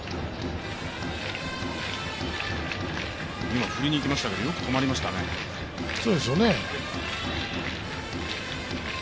今、振りにいきましたけど、よく止まりましたよね。